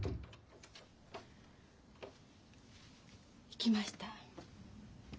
行きました。